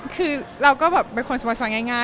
คือเราก็เป็นคนสำหรับฟังง่าย